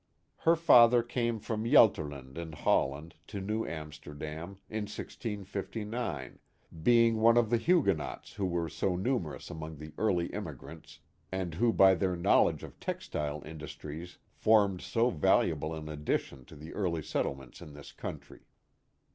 Her father came from Gelderland in Holland to New Amster dam in 1659, being one of the Huguenots who were so numerous among the early immigrants and who by their knowledge of textile industries formed so valuable an addition to the early settlements in this country.